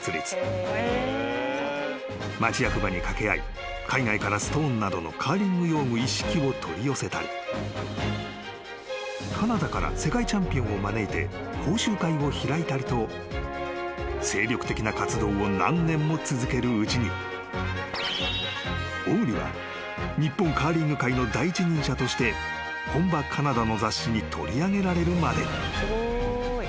［町役場に掛け合い海外からストーンなどのカーリング用具一式を取り寄せたりカナダから世界チャンピオンを招いて講習会を開いたりと精力的な活動を何年も続けるうちに小栗は日本カーリング界の第一人者として本場カナダの雑誌に取り上げられるまでに］